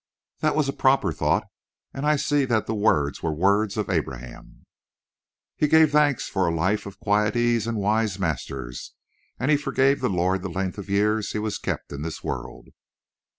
"That was a proper thought, and I see that the words were words of Abraham." "He gave thanks for a life of quiet ease and wise masters, and he forgave the Lord the length of years he was kept in this world."